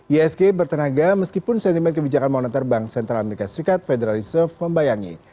isg bertenaga meskipun sentimen kebijakan maunat terbang central america serikat federal reserve membayangi